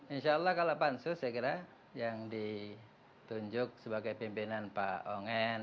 insya allah kalau pansus saya kira yang ditunjuk sebagai pimpinan pak ongen